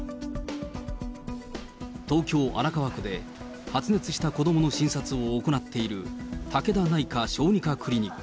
東京・荒川区で、発熱した子どもの診察を行っている武田内科小児科クリニック。